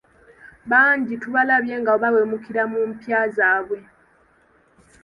Bangi tubalabye nga bawemukira ku mpya zaabwe.